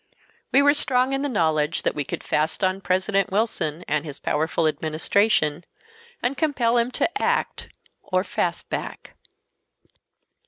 We were strong in the knowledge that we could "fast on" President Wilson and his powerful Administration, and compel him to act or "fast back."